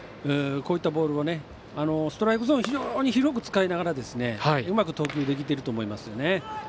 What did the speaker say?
こういったボールをストライクゾーン非常に広く使いながらうまく投球できてると思いますね。